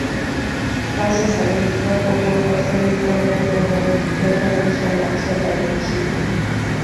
那些采用一个或多个非密封隔膜与被泵送两侧的流体。